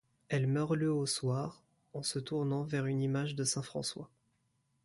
Elle meurt le au soir, en se tournant vers une image de saint François.